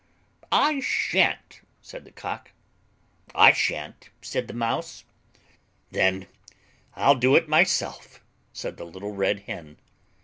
"I shan't," said the Cock. "I shan't," said the Mouse. "Then I'll do it myself," said the little Red Hen.